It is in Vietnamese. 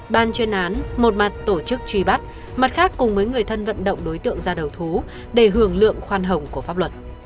ban chuyên án một mặt tổ chức truy bắt mặt khác cùng với người thân vận động đối tượng ra đầu thú để hưởng lượng khoan hồng của pháp luật